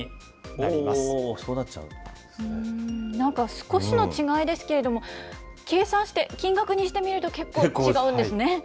なんか、少しの違いですけれども、計算して金額にしてみると、結構違うんですね。